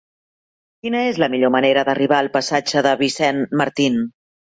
Quina és la millor manera d'arribar al passatge de Vicent Martín?